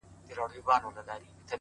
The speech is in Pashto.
• ماته مي قسمت له خپلي ژبي اور لیکلی دی,